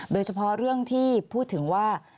โดยเฉพาะเรื่องที่พูดถึงว่า